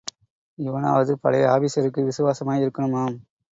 இவனாவது பழைய ஆபீஸருக்கு விசுவாசமாய் இருக்கனுமாம்.